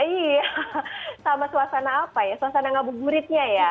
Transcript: terus sama suasana apa ya suasana ngabur guritnya ya